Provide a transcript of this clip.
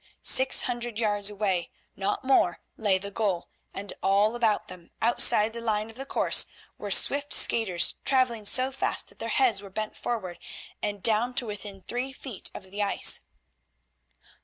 Six hundred yards away, not more, lay the goal, and all about them, outside the line of the course, were swift skaters travelling so fast that their heads were bent forward and down to within three feet of the ice.